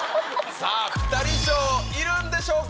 さあ、ピタリ賞いるんでしょうか。